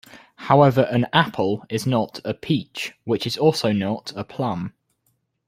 However, an "apple" is not a "peach", which is also not a "plum".